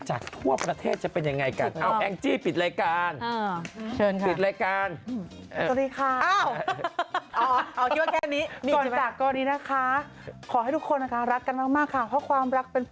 ทั่วประเทศจะเป็นยังไงกัน